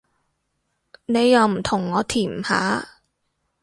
你又唔同我甜下